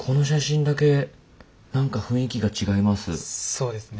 そうですね。